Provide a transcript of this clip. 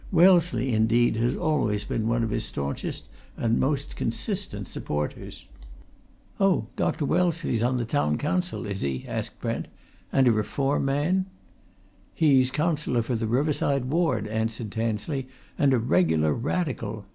Wellesley, indeed, has always been one of his staunchest and most consistent supporters." "Oh, Dr. Wellesley's on the Town Council, is he?" asked Brent. "And a Reform man?" "He's Councillor for the Riverside Ward," answered Tansley, "and a regular Radical.